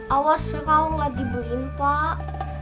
awas kalau nggak dibeliin pak